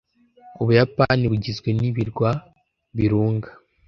Ubuyapani bugizwe nibirwa birunga.